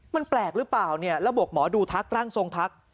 มันแปลกหรือเปล่าเนี่ยระบบหมอดูทักร่างทรงทัก